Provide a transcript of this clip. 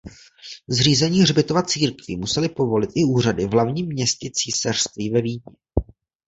Zřízení hřbitova církví musely povolit i úřady v hlavním městě císařství ve Vídni.